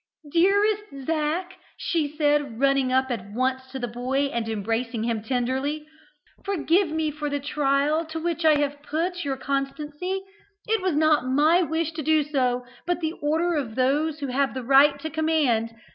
"Dearest Zac!" she said, running up at once to the boy and embracing him tenderly, "forgive me for the trial to which I have put your constancy. It was not my wish to do so, but the order of those who have the right to command.